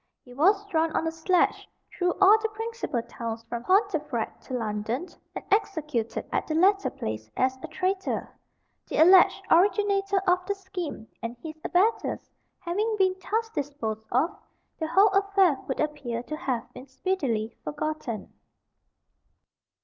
He was drawn on a sledge through all the principal towns from Pontefract to London, and executed at the latter place as a traitor. The alleged originator of the scheme and his abettors having been thus disposed of, the whole affair would appear to have been speedily forgotten.